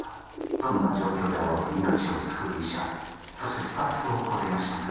どんな状況であろうと命を救う医者そしてスタッフをご提案します